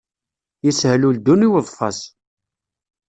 Yeshel uldun i uḍfas.